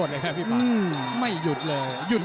ฝ่ายทั้งเมืองนี้มันตีโต้หรืออีโต้